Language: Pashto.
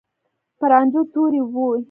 په رانجو تورې وې.